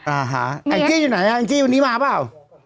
อังจี้อยู่ไหนอังจี้วันนี้มาเปล่า